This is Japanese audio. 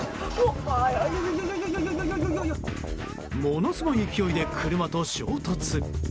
ものすごい勢いで車と衝突。